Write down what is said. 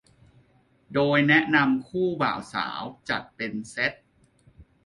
โดยแนะนำให้คู่บ่าวสาวจัดเป็นเซต